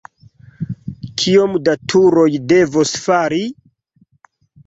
Kiom da turoj devos fali?